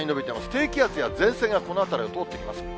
低気圧や前線がこの辺りを通ってきます。